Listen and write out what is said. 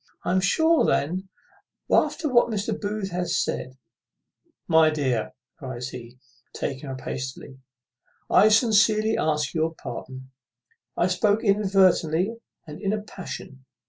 I am sure then, after what Mr. Booth hath said " "My dear," cries he, taking her up hastily, "I sincerely ask your pardon; I spoke inadvertently, and in a passion.